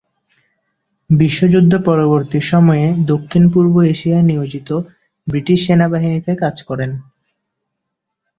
বিশ্বযুদ্ধ পরবর্তী সময়ে দক্ষিণ-পূর্ব এশিয়ায় নিয়োজিত ব্রিটিশ সেনাবাহিনীতে কাজ করেন।